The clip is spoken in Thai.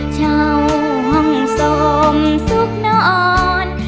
เฉาห่องสมสุขนอน